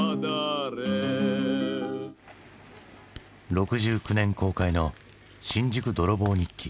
６９年公開の「新宿泥棒日記」。